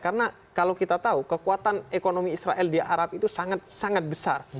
karena kalau kita tahu kekuatan ekonomi israel di arab itu sangat sangat besar